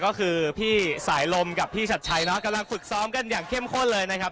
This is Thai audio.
ก็คือพี่สายลมกับพี่ชัดชัยเนาะกำลังฝึกซ้อมกันอย่างเข้มข้นเลยนะครับ